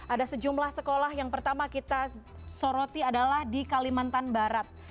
ada sejumlah sekolah yang pertama kita soroti adalah di kalimantan barat